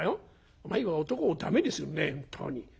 お前は男を駄目にするね本当に。